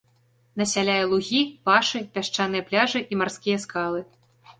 Насяляе лугі, пашы, пясчаныя пляжы і марскія скалы.